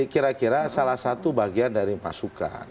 kira kira salah satu bagian dari pasukan